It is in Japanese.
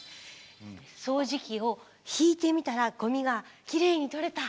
掃除機を引いてみたらゴミがきれいに取れた。